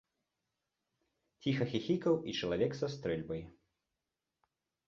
Ціха хіхікаў і чалавек са стрэльбай.